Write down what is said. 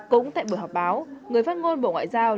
cũng tại buổi họp báo người phát ngôn bộ ngoại giao